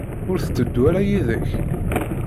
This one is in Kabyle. Ur tetteddu ara yid-k?